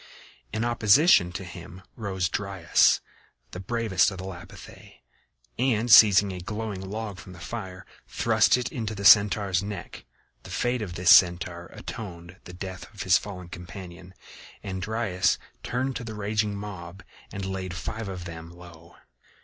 In opposition to him rose Dryas, the bravest of the Lapithæ, and seizing a glowing log from the fire, thrust it into the Centaur's neck. The fate of this Centaur atoned for the death of his fallen companion, and Dryas turned to the raging mob and laid five of them low.